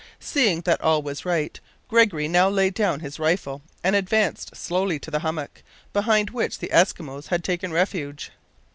Seeing that all was right, Gregory now laid down his rifle and advanced slowly to the hummock, behind which the Eskimos had taken refuge.